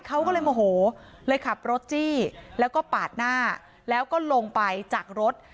เขาก็เลยโมโหเลยขับรถจี้แล้วก็ปาดหน้าแล้วก็ลงไปจากรถ